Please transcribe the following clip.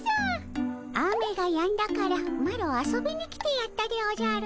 雨がやんだからマロ遊びに来てやったでおじゃる。